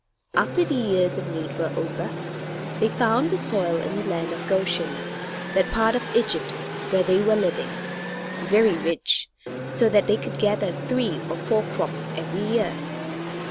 After the years of need were over, they found the soil in the land of Goshen, that part of Egypt where they were living, very rich, so that they could gather three or four crops every year.